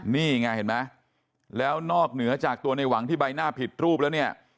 นี่ไงเห็นไหมแล้วนอกเหนือจากตัวในหวังที่ใบหน้าผิดรูปแล้วเนี่ย